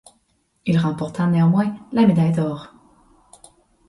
Il remporta néanmoins la médaille d'or.